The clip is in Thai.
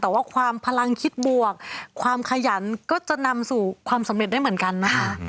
แต่ว่าความพลังคิดบวกความขยันก็จะนำสู่ความสำเร็จได้เหมือนกันนะคะ